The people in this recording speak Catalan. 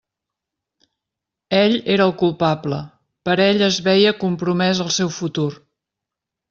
Ell era el culpable; per ell es veia compromès el seu futur.